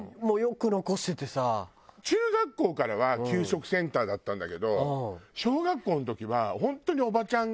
中学校からは給食センターだったんだけど小学校の時は本当におばちゃんが。